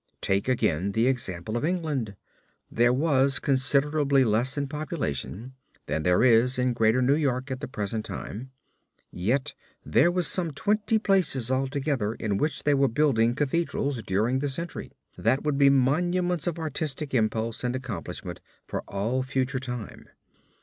Take again the example of England. There was considerably less in population than there is in Greater New York at the present time, yet there was some twenty places altogether in which they were building Cathedrals during this century, that would be monuments of artistic impulse and accomplishment for all future time.